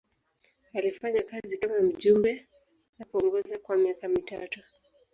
Alifanya kazi kama mjumbe na kuongoza kwa miaka mitatu.